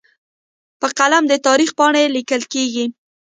په قلم د تاریخ پاڼې لیکل کېږي.